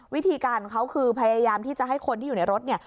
วิธีการของเขาคือพยายามที่จะให้คนที่อยู่ในรถเนี่ย